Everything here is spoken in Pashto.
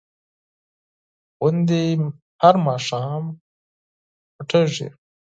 غوندې هر ماښام پټېږي.